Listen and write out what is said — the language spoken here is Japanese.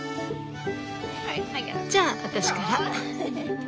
じゃ私から。